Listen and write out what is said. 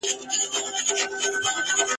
چي سړی یې په هیڅ توګه په تعبیر نه پوهیږي !.